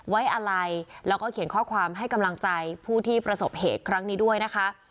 ไว้อะไรแล้วก็เขียนข้อความให้กำลังใจผู้ที่ประสบเหตุครั้งนี้ด้วยนะคะ